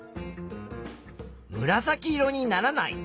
むらさき色にならない。